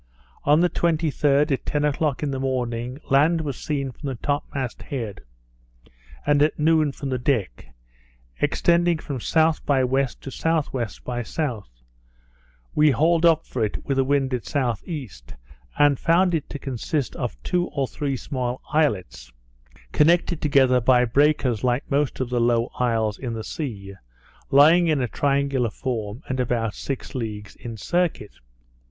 On the 23d, at ten o'clock in the morning, land was seen from the top mast head, and at noon from the deck, extending from S. by W. to S.W. by S. We hauled up for it with the wind at S.E., and found it to consist of two or three small islets, connected together by breakers like most of the low isles in the sea, lying in a triangular form, and about six leagues in circuit.